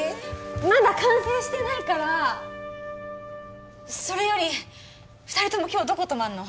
まだ完成してないからそれより二人とも今日どこ泊まるの？